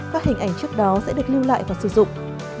các hình ảnh trước đó sẽ được lưu lại và sử dụng